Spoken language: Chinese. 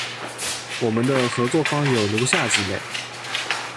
我们的合作方有如下几类：